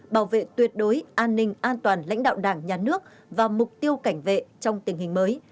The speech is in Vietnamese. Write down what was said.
bảo vệ tuyệt đối an ninh an toàn lãnh đạo đảng nhà nước và mục tiêu cảnh vệ trong tình hình mới